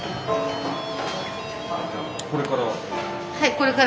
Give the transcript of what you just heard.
これから？